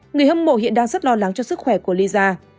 người hâm mộ hiện đang rất lo lắng cho sức khỏe của lysa